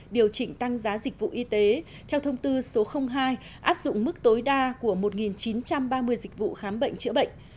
điều chỉnh tăng giá dịch vụ y tế theo thông tư số hai áp dụng mức tối đa của một chín trăm ba mươi dịch vụ khám bệnh chữa bệnh